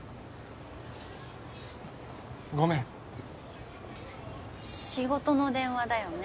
ごめん仕事の電話だよね？